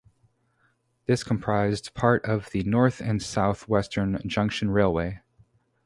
This comprised part of the North and South Western Junction Railway.